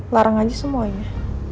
larang aja semuanya